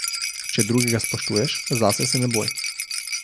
Če drugega spoštuješ, zase se ne boj.